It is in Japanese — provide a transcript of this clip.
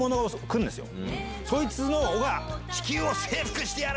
そいつのほうが。